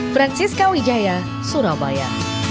francisca wijaya surabaya